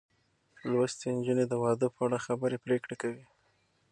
لوستې نجونې د واده په اړه خبرې پرېکړې کوي.